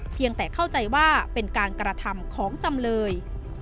เพียงแต่เข้าใจว่าเป็นการกระทำของจำเลย